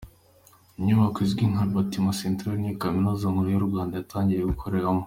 Inyubako izwi nka “Batiment Central” ni yo Kaminuza Nkuru y’u Rwanda yatangiriye gukoreramo.